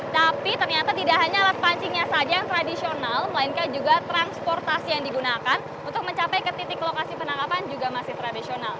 tapi ternyata tidak hanya alat pancingnya saja yang tradisional melainkan juga transportasi yang digunakan untuk mencapai ke titik lokasi penangkapan juga masih tradisional